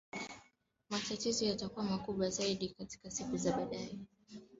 Matatizo yatakuwa makubwa zaidi katika siku za baadae